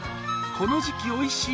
この時期おいしい？